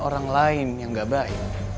orang lain yang gak baik